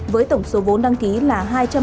với tổng số vốn đăng ký là